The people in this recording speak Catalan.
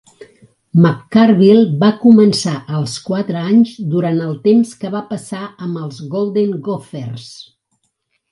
McCarville va començar els quatre anys durant el temps que va passar amb els Golden Gophers.